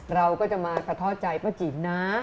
เราก็จะมาสะท้อใจป้าจิ๋มนะ